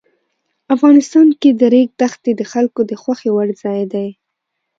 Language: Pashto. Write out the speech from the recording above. افغانستان کې د ریګ دښتې د خلکو د خوښې وړ ځای دی.